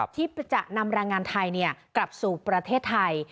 ที่จะนำแรงงานไทยกลับสู่ประเทศไทย